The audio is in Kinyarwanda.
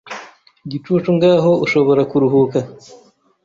igicucu ngaho ushobora kuruhuka